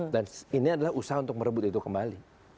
dan ini adalah usaha untuk merebut itu kembali